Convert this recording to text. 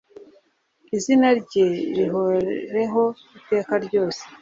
izina rye rihoreho iteka ryose